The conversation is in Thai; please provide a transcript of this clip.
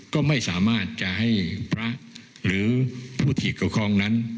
ก็ไม่สามารถจะให้พระหรือผู้ที่เกี่ยวข้องนั้น